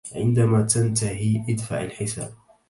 عندما تنتهي ادفع الحساب.